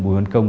bùi văn công